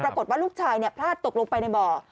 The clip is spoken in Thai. ปรากฏว่าลูกชายพลาดตกลงไปในบ่อ